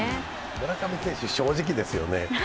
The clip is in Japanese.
村上選手、正直ですよね。